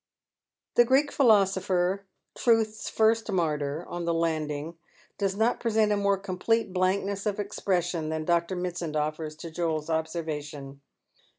The Greek philosopher — Truth's first martvr — on tho 294 Dead Men's Shoes. landing does not present a more complete blankness of espr«s eion than Dr. Mitsand offers to Joel's observation.